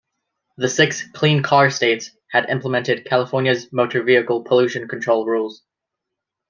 The six "clean-car states" had implemented California's motor-vehicle pollution-control rules.